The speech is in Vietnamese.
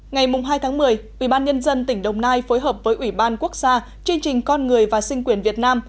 ngày hai tháng một mươi ubnd tỉnh đồng nai phối hợp với ủy ban quốc gia chương trình con người và sinh quyền việt nam